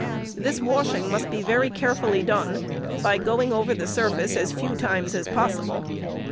This washing must be very carefully done by going over the surface as few times as possible.